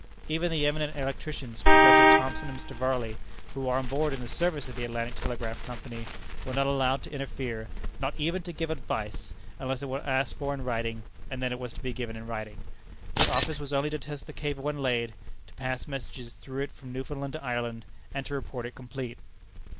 Even the eminent electricians, Professor Thomson and Mr. Varley, who were on board in the service of the Atlantic Telegraph Company, were not allowed to interfere, nor even to give advice unless it were asked for in writing, and then it was to be given in writing. Their office was only to test the cable when laid, to pass messages through it from Newfoundland to Ireland, and to report it complete.